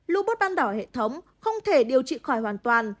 lưu bút ban đảo hệ thống không thể điều trị khỏi hoàn toàn